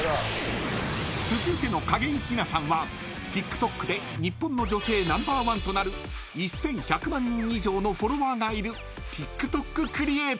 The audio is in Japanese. ［続いての景井ひなさんはＴｉｋＴｏｋで日本の女性ナンバーワンとなる１，１００万人以上のフォロワーがいるＴｉｋＴｏｋクリエイターなんです］